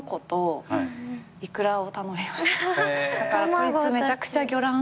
こいつめちゃくちゃ魚卵。